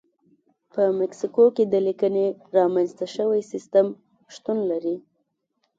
په مکسیکو کې د لیکنې رامنځته شوی سیستم شتون لري.